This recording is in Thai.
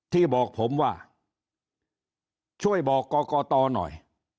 ที่บอกผมว่าช่วยบอกกรกตหน่อย